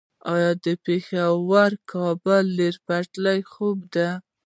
آیا د پیښور - کابل ریل پټلۍ خوب دی؟